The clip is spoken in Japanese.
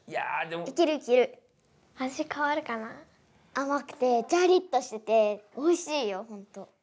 あまくてジャリッとしてておいしいよほんと。